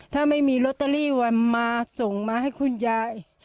ถ้าไม่มีลอตเตอรี่วันมาส่งมาให้คุณยาย